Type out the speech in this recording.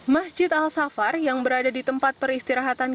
masjid al safar yang berada di tempat peristirahatan